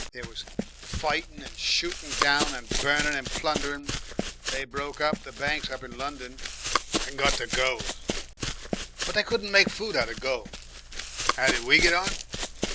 There was fightin' and shootin' down, and burnin' and plundering. They broke up the banks up in London and got the gold, but they couldn't make food out of gold. 'Ow did we get on?